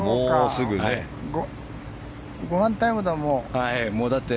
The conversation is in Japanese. ごはんタイムだ、もう。